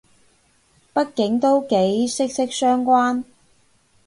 畢竟都幾息息相關